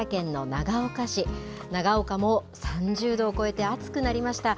長岡も３０度を超えて暑くなりました。